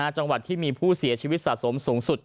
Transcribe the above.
จังหวัดที่มีผู้เสียชีวิตสะสมสูงสุด